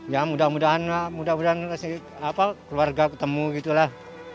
ya mudah mudahan keluarga ketemu gitu lah